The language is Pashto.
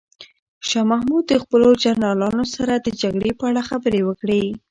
شاه محمود د خپلو جنرالانو سره د جګړې په اړه خبرې وکړې.